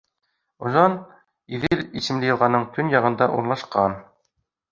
Ожан Иҙел исемле йылғаның төньяғында урынлашҡан.